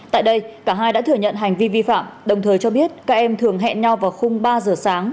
tại đây cả hai đã thừa nhận hành vi vi phạm đồng thời cho biết các em thường hẹn nhau vào khung ba giờ sáng